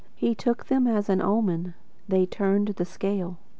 He took them as an omen. They turned the scale.